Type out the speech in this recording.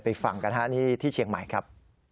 ฟังกันฮะนี่ที่เชียงใหม่ครับ